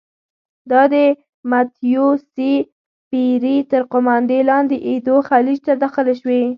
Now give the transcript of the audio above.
دا د متیو سي پیري تر قوماندې لاندې ایدو خلیج ته داخلې شوې.